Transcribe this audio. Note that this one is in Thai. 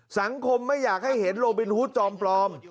สังคมไม่อยากให้เห็นโลบินฮูตจอมปลอม